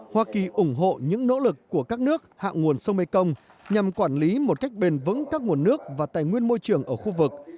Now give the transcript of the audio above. hoa kỳ ủng hộ những nỗ lực của các nước hạ nguồn sông mekong nhằm quản lý một cách bền vững các nguồn nước và tài nguyên môi trường ở khu vực